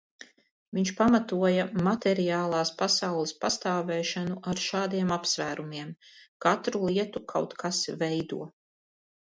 Viņš pamatoja materiālās pasaules pastāvēšanu ar šādiem apsvērumiem: katru lietu kaut kas veido.